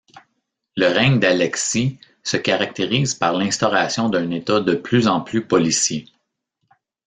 Le règne d'Alexis se caractérise par l'instauration d'un État de plus en plus policier.